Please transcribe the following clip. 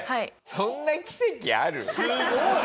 そんな奇跡ある？